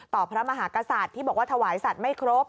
พระมหากษัตริย์ที่บอกว่าถวายสัตว์ไม่ครบ